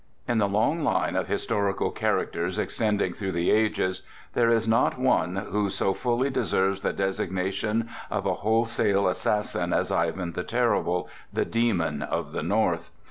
In the long line of historical characters extending through the ages there is not one who so fully deserves the designation of a wholesale assassin as Ivan the Terrible, the demon of the North.